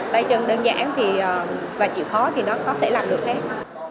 tay chân đơn giản thì và chịu khó thì nó có thể làm được hết